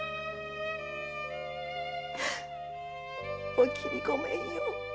おきみごめんよ。